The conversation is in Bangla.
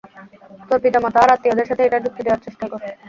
তোর পিতামাতা আর আত্মীয়দের সাথে এটার যুক্তি দেয়ার চেষ্টা কর।